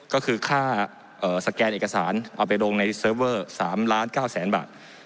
ก็คือค่าสแกนเอกสารเอาไปลงในเซิร์ฟเวอร์๓ล้าน๙แสนบาท